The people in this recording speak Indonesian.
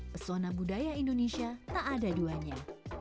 pesona budaya indonesia tak ada duanya